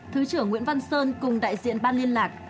thứ trưởng nguyễn văn sơn cùng đại diện ban liên lạc